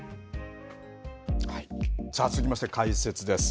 さあ、続きまして解説です。